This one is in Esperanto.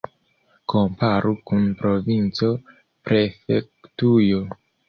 Komparu kun provinco, prefektujo.